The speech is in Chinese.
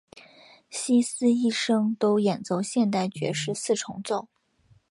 希斯一生都演奏现代爵士四重奏。